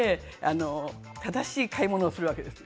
正しい買い物をするわけです。